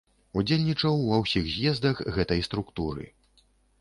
Удзельнічаў ва ўсіх з'ездах гэтай структуры.